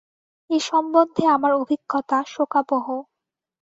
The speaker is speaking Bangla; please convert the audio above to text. এ সম্বন্ধে আমার অভিজ্ঞতা শোকাবহ।